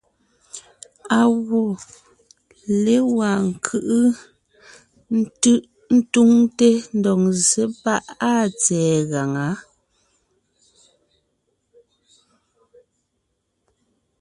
Á gwɔ́ légwá ńkʉ́ʼʉ ńtúŋte ńdɔg ńzsé páʼ áa tsɛ̀ɛ gaŋá.